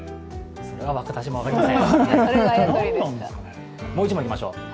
それは私も分かりません。